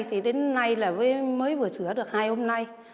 thì đến nay là mới vừa sửa được hai hôm nay